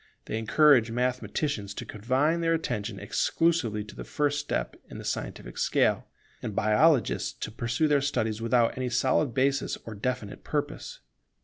They encourage mathematicians to confine their attention exclusively to the first step in the scientific scale; and biologists to pursue their studies without any solid basis or definite purpose.